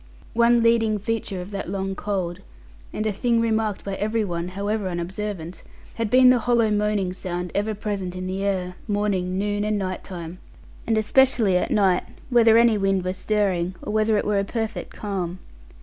One leading feature of that long cold, and a thing remarked by every one (however unobservant) had been the hollow moaning sound ever present in the air, morning, noon, and night time, and especially at night, whether any wind were stirring, or whether it were a perfect calm.